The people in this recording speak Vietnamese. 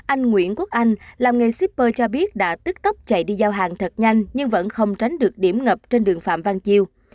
anh nguyễn quốc anh làm nghề shipper cho biết đã tức tốc chạy đi giao hàng thật nhanh nhưng vẫn không tránh được điểm ngập trên đường phạm văn chiêu